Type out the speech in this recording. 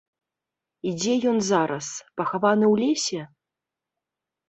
І дзе ён зараз, пахаваны ў лесе?